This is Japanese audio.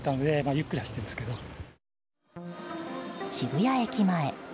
渋谷駅前。